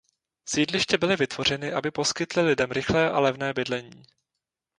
Sídliště byly vytvořeny aby poskytly lidem rychlé a levné bydlení.